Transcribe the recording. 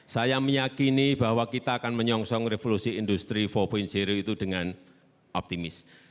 saya meyakini bahwa kita akan menyongsong revolusi industri empat itu dengan optimis